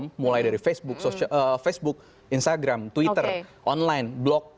kemudian kita lihat semua platform mulai dari facebook instagram twitter online blog